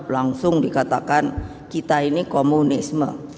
langsung dikatakan kita ini komunisme